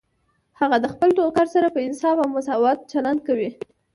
هغه د خپل نوکر سره په انصاف او مساوات چلند کوي